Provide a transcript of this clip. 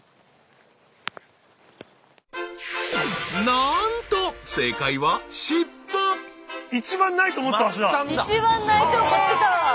なんと一番ないと思ってた。